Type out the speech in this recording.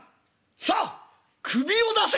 さあ首を出せ！」。